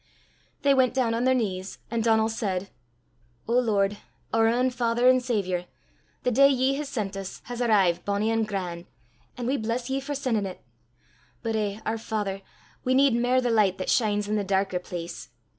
They went down on their knees, and Donal said, "O Lord, oor ain father an' saviour, the day ye hae sent 's has arrived bonnie an' gran', an' we bless ye for sen'in' 't; but eh, oor father, we need mair the licht that shines i' the darker place.